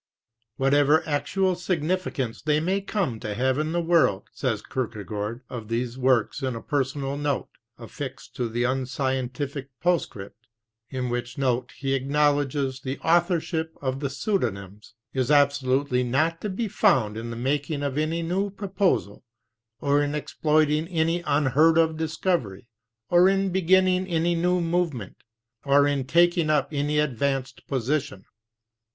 "Whatever 27 actual significance they may come to have in the world," says Kierkegaard of these works in a personal note affixed to the Unscientific Postscript, in which note he acknowledges the authorship of the pseudonyms, "is absolutely not to be found in the making of any new proposal, or in exploiting any un heard of discovery, or in beginning any new movement, or in taking up any advanced position.